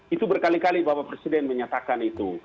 itu berkali kali bapak presiden menyatakan itu